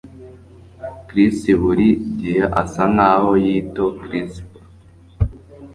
Chris buri gihe asa nkaho yitochrisba